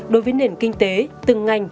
đối với nền kinh tế từng ngành